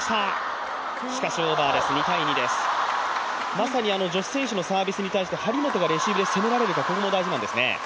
まさに女子選手のサービスに対して張本がレシーブで攻められるかも大事なんですね。